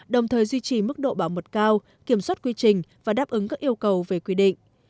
đồng thời duy trì mức độ bảo mật cao kiểm soát quy trình và đáp ứng các yêu cầu về quy định